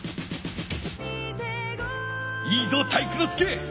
いいぞ体育ノ介！